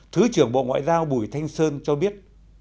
thứ trưởng bộ ngoại giao bùi thanh sơn cho biết